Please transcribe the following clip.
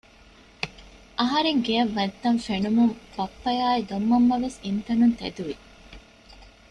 އަހަރެން ގެއަށް ވަތްތަން ފެނުމުން ބައްޕަ އާއި ދޮންމަންމަވެސް އިންތަނުން ތެދުވި